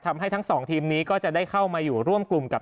ทั้งสองทีมนี้ก็จะได้เข้ามาอยู่ร่วมกลุ่มกับ